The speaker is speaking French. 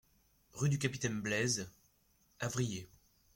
Rue du Capitaine Blaise, Avrillé